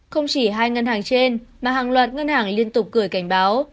không chỉ hai ngân hàng trên mà hàng loạt ngân hàng liên tục gửi cảnh báo